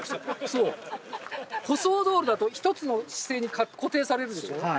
そう舗装道路だと一つの姿勢に固定されるでしょ